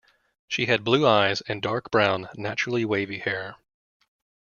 She had blue eyes and dark brown, naturally wavy hair.